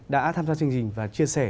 đã tham gia chương trình và chia sẻ